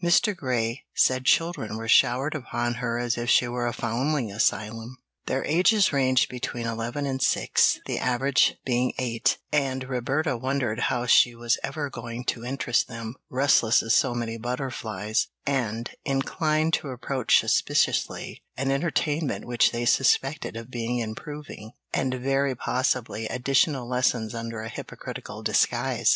Mr. Grey said children were showered upon her as if she were a foundling asylum. Their ages ranged between eleven and six, the average being eight, and Roberta wondered how she was ever going to interest them, restless as so many butterflies, and inclined to approach suspiciously an entertainment which they suspected of being improving, and very possibly additional lessons under a hypocritical disguise.